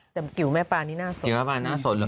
แต่เกี่ยวแม่ปลานี้น่าสนแต่เกี่ยวแม่ปลานี้น่าสน